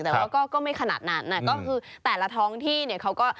แต่ว่าก็ไม่ขนาดนั้นก็คือแต่ละท้องที่เนี่ยเขาก็